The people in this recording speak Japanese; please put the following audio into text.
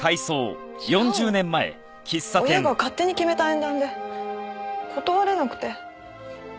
親が勝手に決めた縁談で断れなくて。